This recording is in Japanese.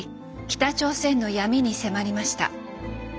北朝鮮の闇に迫りました。